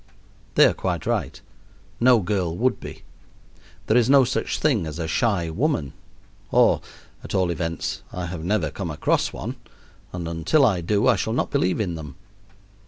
They are quite right; no girl would be. There is no such thing as a shy woman, or, at all events, I have never come across one, and until I do I shall not believe in them.